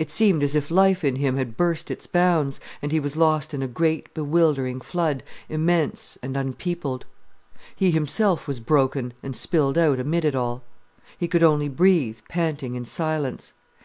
It seemed as if life in him had burst its bounds, and he was lost in a great, bewildering flood, immense and unpeopled. He himself was broken and spilled out amid it all. He could only breathe panting in silence.